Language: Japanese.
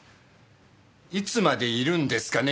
いつまでいるんですかね